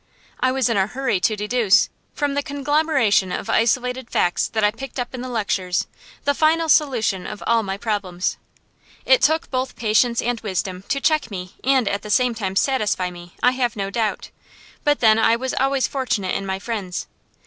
I was in a hurry to deduce, from the conglomeration of isolated facts that I picked up in the lectures, the final solution of all my problems. It took both patience and wisdom to check me and at the same time satisfy me, I have no doubt; but then I was always fortunate in my friends.